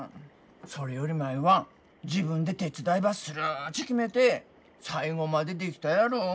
それより舞は自分で手伝いばするっち決めて最後までできたやろ。